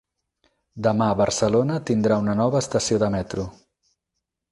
Demà Barcelona tindrà una nova estació de metro